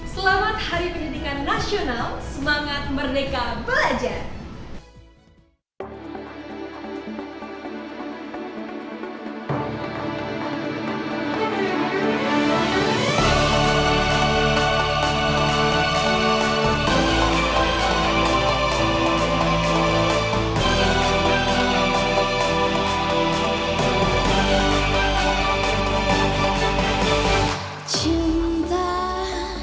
selamat hari pendidikan nasional